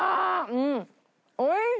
うん！